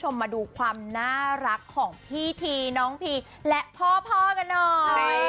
มาดูความน่ารักของพี่ทีน้องภีและพ่อกันหน่อย